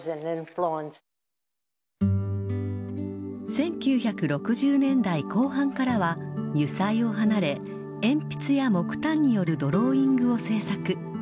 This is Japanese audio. １９６０年代後半からは、油彩を離れ鉛筆や木炭によるドローイングを制作。